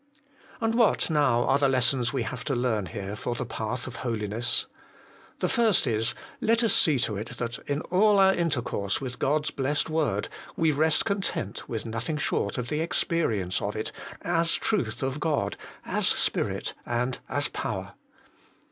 And what now are the lessons we have to learn here for the path of Holiness ? The first is : Let us see to it that in all our intercourse with God's Blessed Word we rest content with nothing short of K 146 HOLY IN CHRIST. the experience of it, as truth of God, as spirit and as power.